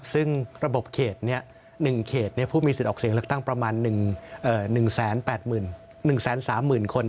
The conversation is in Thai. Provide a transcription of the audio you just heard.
ซึ่งระบบเขต๑เขตผู้มีสิทธิ์ออกเสียงเลือกตั้งประมาณ๑๘๑๓๐๐๐คน